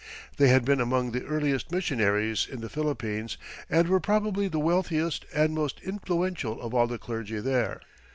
They had been among the earliest missionaries in the Philippines, and were probably the wealthiest and most influential of all the clergy there.